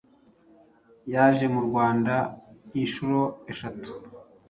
Yaje mu Rwanda inshuro eshatu :